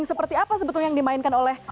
seperti apa sebetulnya yang dimainkan oleh